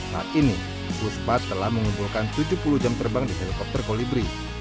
saat ini puspa telah mengumpulkan tujuh puluh jam terbang di helikopter kolibri